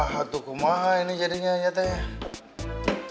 hatuku maha ini jadinya nyatanya